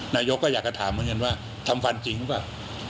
นายกก็อยากจะถามเหมือนกันว่าทำฟันจริงหรือเปล่า